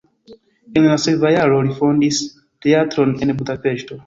En la sekva jaro li fondis teatron en Budapeŝto.